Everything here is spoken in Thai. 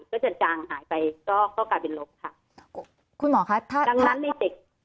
ก็จะจางหายไปก็ก็กลายเป็นลบค่ะคุณหมอคะถ้าดังนั้นในเด็ก